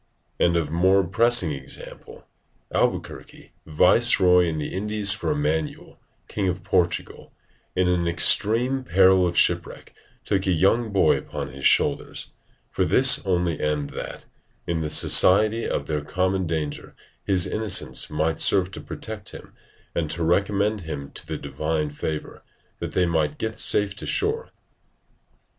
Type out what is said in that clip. [Diogenes Laertius] And of more pressing example, Albuquerque, viceroy in the Indies for Emmanuel, king of Portugal, in an extreme peril of shipwreck, took a young boy upon his shoulders, for this only end that, in the society of their common danger his innocence might serve to protect him, and to recommend him to the divine favour, that they might get safe to shore.